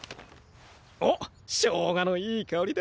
おっしょうがのいいかおりだ。